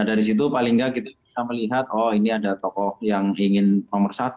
dari situ paling nggak kita bisa melihat oh ini ada tokoh yang ingin nomor satu